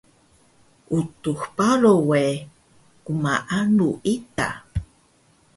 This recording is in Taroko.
Utux Baro we gmaalu ita